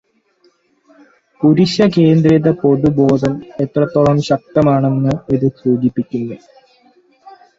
പുരുഷകേന്ദ്രിതപൊതുബോധം എത്രത്തോളം ശക്തമാണെന്ന് ഇത് സൂചിപ്പിക്കുന്നു.